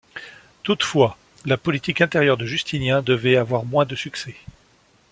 Toutefois, la politique intérieure de Justinien devait avoir moins de succès.